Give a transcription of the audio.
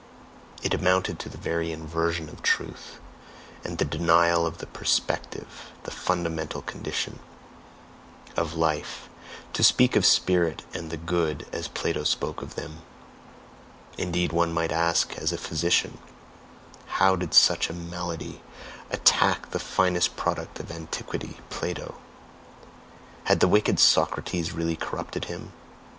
It amounted to the very inversion of truth, and the denial of the PERSPECTIVE the fundamental condition of life, to speak of Spirit and the Good as Plato spoke of them; indeed one might ask, as a physician: "How did such a malady attack that finest product of antiquity, Plato? Had the wicked Socrates really corrupted him?